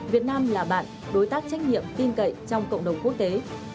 việt nam là bạn đối tác trách nhiệm tin cậy trong cộng đồng quốc tế